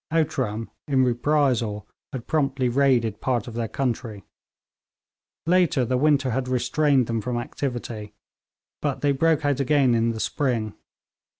Outram, in reprisal, had promptly raided part of their country. Later, the winter had restrained them from activity, but they broke out again in the spring.